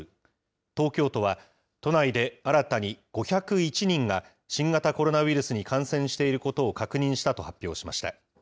東京都は都内で新たに５０１人が、新型コロナウイルスに感染していることを確認したと発表しました。